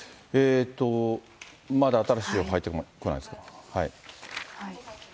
まだ新しい情報は入ってこないですか。